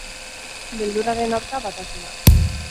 Beldurraren aurka, batasuna.